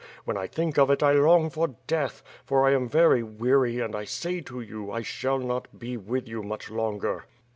When I think of it, I long for death; for I am very weary and I say to you, I shall not be with you much longer."